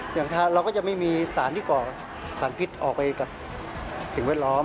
อย่างเราก็จะไม่มีสารที่ก่อสารพิษออกไปกับสิ่งแวดล้อม